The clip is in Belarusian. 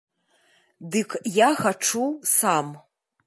Дык я хачу сам.